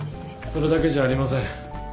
それだけじゃありません。